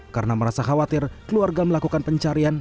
karena merasa khawatir keluarga melakukan pencarian